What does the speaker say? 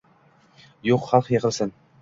— Yo‘q, xalq yig‘ilsin!